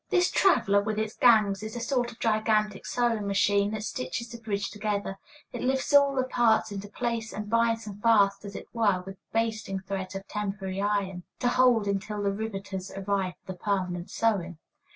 This "traveler," with its gangs, is a sort of gigantic sewing machine that stitches the bridge together; it lifts all the parts into place and binds them fast, as it were, with basting threads of temporary iron, to hold until the riveters arrive for the permanent sewing.